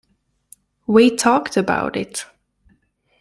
We talked about it.